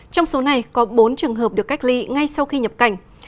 trong số này có bốn trường hợp được cách ly ngay sau khi nhập cảnh